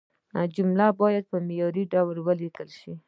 جملې باید په معياري ډول ولیکل شي.